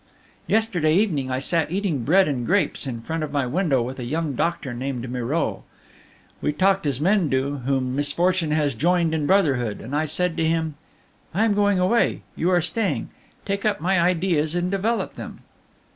"Yesterday evening I sat eating bread and grapes in front of my window with a young doctor named Meyraux. We talked as men do whom misfortune has joined in brotherhood, and I said to him: "'I am going away; you are staying. Take up my ideas and develop them.'